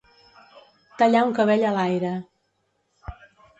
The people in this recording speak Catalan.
Tallar un cabell a l'aire.